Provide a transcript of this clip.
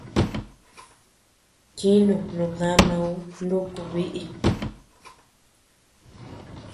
Kinü nubdamauʼu nuku biʼi.